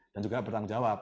dan juga bertanggung jawab